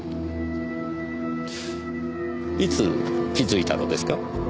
いつ気づいたのですか？